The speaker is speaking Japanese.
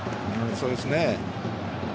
そうですね。